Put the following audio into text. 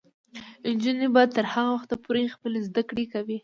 نجونې به تر هغه وخته پورې خپلې زده کړې کوي.